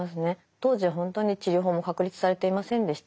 当時本当に治療法も確立されていませんでした。